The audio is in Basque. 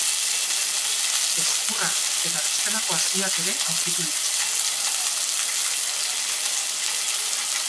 Ezkurra eta bestelako haziak ere aurkitu dituzte.